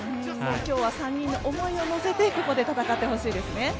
今日は３人の思いを乗せてここで戦ってほしいですね。